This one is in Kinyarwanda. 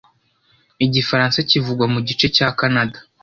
Igifaransa kivugwa mu gice cya Kanada.